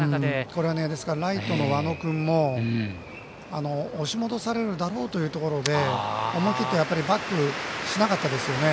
これはライトの輪野君も押し戻されるだろうというところで思い切ってバックしなかったですよね。